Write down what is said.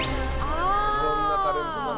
いろんなタレントさん